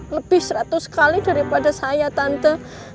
lebih seratus kali daripada saya tante